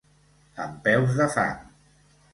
Amb peus de fang.